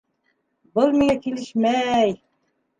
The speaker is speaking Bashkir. Был миңә килешмәй